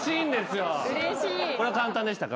これは簡単でしたか？